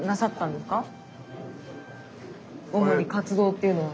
主に活動っていうのは。